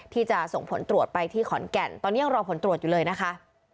ที่จะส่งผลตรวจไปที่ขอนแก่นตอนนี้ยังรอผลตรวจอยู่เลยนะคะ